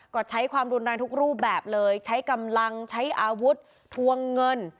ก็ใช้ความรุนแรงทุกรูปแบบเลยใช้กำลังใช้อาวุธทวงเงิน